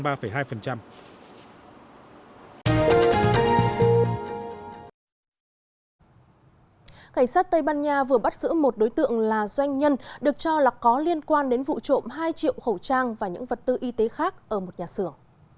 cảnh sát tây ban nha vừa bắt giữ một đối tượng là doanh nhân được cho là có liên quan đến vụ trộm hai triệu khẩu trang và những vật tư y tế khác ở một nhà xưởng